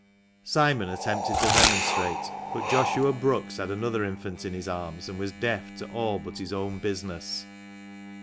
Simon attempted to remonstrate, but Joshua Brookes had another infant in his arms, and was deaf to all but his own business.